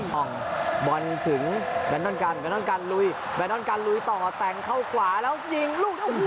ต้องบอลถึงแลนดอนกันแนนอนกันลุยแลนอนกันลุยต่อแต่งเข้าขวาแล้วยิงลูกโอ้โห